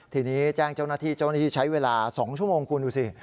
ทีนี้แจ้งเจ้าหน้าที่เจ้าหน้าที่ใช้เวลา๒ชั่วโมงคุณดูสิ